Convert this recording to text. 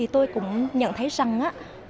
tôi cũng nhận thấy rằng